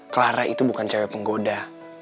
clara itu bukan cewek penggoda